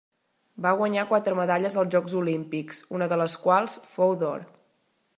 Va guanyar quatre medalles als Jocs Olímpics, una de les quals fou d'or.